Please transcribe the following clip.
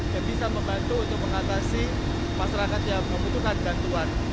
yang bisa membantu untuk mengatasi masyarakat yang membutuhkan bantuan